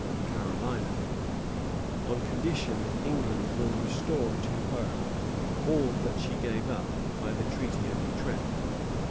] in Carolina, on condition that England will restore to her all that she gave up by the Treaty of Utrecht.